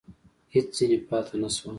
هېڅ ځني پاته نه شول !